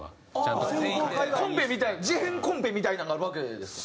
コンペみたい事変コンペみたいなのがあるわけですか？